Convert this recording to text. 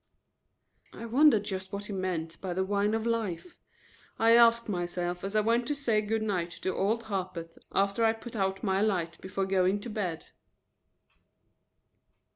"I wonder just what he meant by 'the wine of life,'" I asked myself as I went to say good night to Old Harpeth after I put out my light before going to bed.